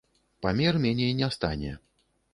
Памер меней не стане.